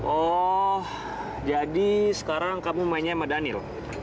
oh jadi sekarang kamu mainnya sama daniel